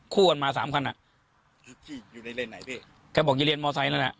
คู่ขับขี่คือคุณทองศุกร์